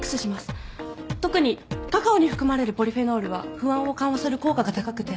特にカカオに含まれるポリフェノールは不安を緩和する効果が高くて。